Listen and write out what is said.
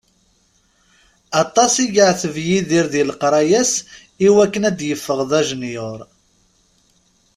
Aṭas i yeεteb Yidir di leqraya-s iwakken ad d-iffeɣ d ajenyur.